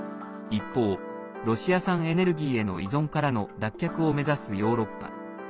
一方、ロシア産エネルギーへの依存からの脱却を目指すヨーロッパ。